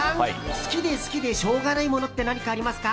好きで好きでしょうがないものって何かありますか？